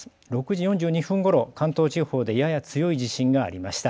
６時４２分ごろ関東地方でやや強い地震がありました。